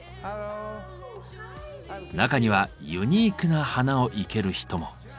中にはユニークな花を生ける人も。